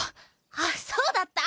あっそうだった。